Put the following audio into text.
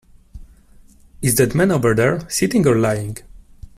Is that man over there sitting or lying?